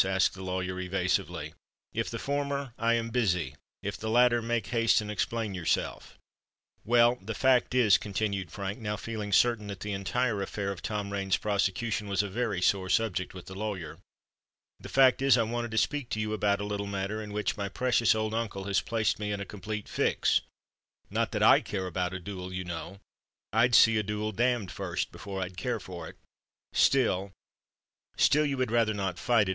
asked the lawyer evasively. "If the former, I am busy—if the latter, make haste and explain yourself." "Well—the fact is," continued Frank, now feeling certain that the entire affair of Tom Rain's prosecution was a very sore subject with the lawyer,—"the fact is, I wanted to speak to you about a little matter—in which my precious old uncle has placed me in a complete fix——not that I care about a duel, you know—I'd see a duel damned first, before I'd care for it—still——" "Still you would rather not fight it?"